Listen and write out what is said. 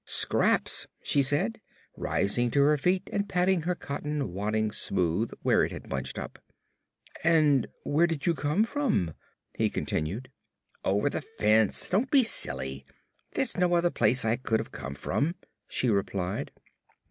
"Scraps," she said, rising to her feet and patting her cotton wadding smooth where it had bunched up. "And where did you come from?" he continued. "Over the fence. Don't be silly. There's no other place I could have come from," she replied.